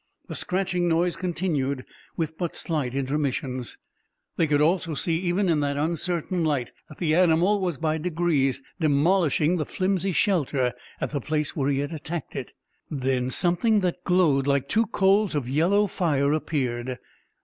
The scratching noise continued, with but slight intermissions. They could also see even in that uncertain light that the animal was by degrees demolishing the flimsy shelter at the place where he had attacked it. Then something that glowed like two coals of yellow fire appeared.